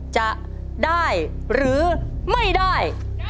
จะได้หรือไม่ได้